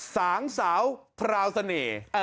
สาวงสาวพราวเสน่ห์